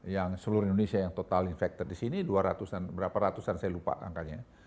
yang seluruh indonesia yang total infected di sini dua ratus an berapa ratusan saya lupa angkanya